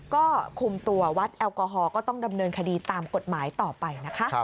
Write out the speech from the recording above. ก็คุมตัววัดแอลกอฮอลก็ต้องดำเนินคดีตามกฎหมายต่อไปนะคะ